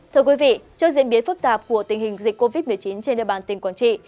thưa quý vị trước diễn biến phức tạp của tình hình dịch covid một mươi chín trên địa bàn tỉnh quảng trị